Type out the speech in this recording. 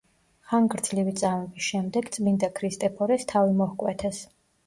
ხანგრძლივი წამების შემდეგ წმინდა ქრისტეფორეს თავი მოჰკვეთეს.